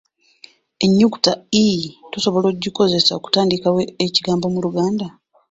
Ennyukuta l tusobola okugikozesa ku ntandikwa y’ekigambo mu Luganda.